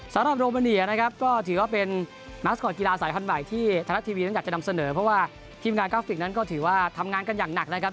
สำหรับโรมาเนียนะครับก็ถือว่าเป็นมัสคอตกีฬาสายพันธุ์ใหม่ที่ไทยรัฐทีวีนั้นอยากจะนำเสนอเพราะว่าทีมงานกราฟิกนั้นก็ถือว่าทำงานกันอย่างหนักนะครับ